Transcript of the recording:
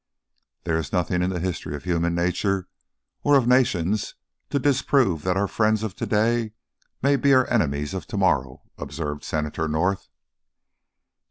"There is nothing in the history of human nature or of nations to disprove that our friends of to day may be our enemies of to morrow," observed Senator North.